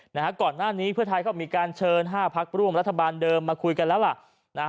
นะฮะก่อนหน้านี้เพื่อไทยก็มีการเชิญห้าพักร่วมรัฐบาลเดิมมาคุยกันแล้วล่ะนะฮะ